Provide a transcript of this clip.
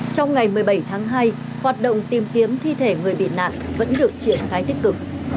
trong ngày một mươi bảy tháng hai hoạt động tìm kiếm thi thể người bị nạn vẫn được triển khai tích cực